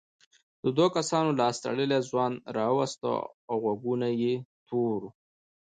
دوو کسانو لاس تړلی ځوان راووست غوږونه یې تور وو.